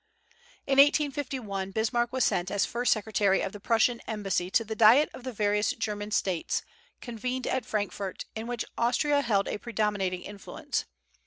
In 1851 Bismarck was sent as first secretary of the Prussian embassy to the Diet of the various German States, convened at Frankfort, in which Austria held a predominating influence.